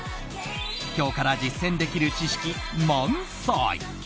今日から実践できる知識満載！